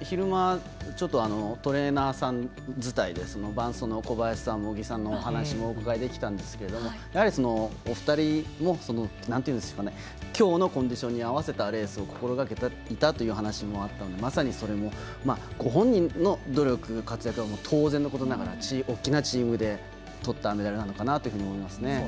昼間、ちょっとトレーナーさん伝いで伴走の小林さん茂木さんのお話もお伺いできたんですけどお二人もきょうのコンディションに合わせたレースを心がけていたという話もあったので、ご本人の努力、活躍は当然のことながら大きなチームでとったメダルなのかなと思いますよね。